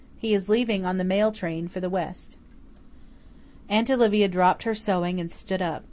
He is leaving on the mail train for the west." Aunt Olivia dropped her sewing and stood up.